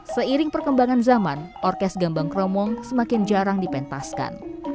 seiring perkembangan zaman orkes gambang kromong semakin jarang dipentaskan